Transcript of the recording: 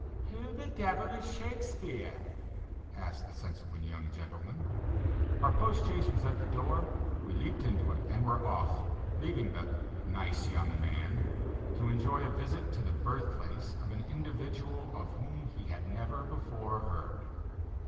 "Who the devil is Shakespeare?" asked the sensible young gentleman. Our post chaise was at the door; we leaped into it, and were off, leaving the "nice young man" to enjoy a visit to the birth place of an individual of whom he had never before heard.